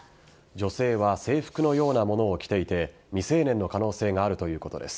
女性は制服のようなものを着ていて未成年の可能性があるということです。